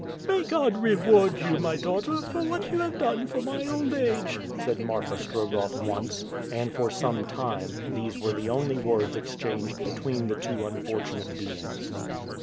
"May God reward you, my daughter, for what you have done for my old age!" said Marfa Strogoff once, and for some time these were the only words exchanged between the two unfortunate beings.